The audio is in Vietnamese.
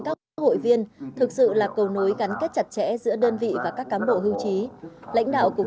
các cấp hội viên thực sự là cầu nối gắn kết chặt chẽ giữa đơn vị và các cám bộ hưu trí lãnh đạo cục